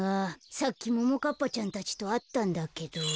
さっきももかっぱちゃんたちとあったんだけど。